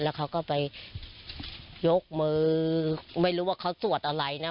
แล้วเขาก็ไปยกมือไม่รู้ว่าเขาสวดอะไรนะ